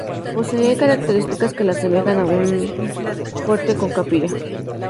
Posee características que la asemejan a un fuerte con capilla.